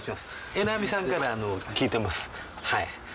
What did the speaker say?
榎並さんから聞いてますはい。